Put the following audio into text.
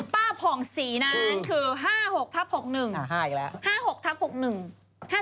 บาริกิของป้าภองศรีนั้นคือ๕๖๖๑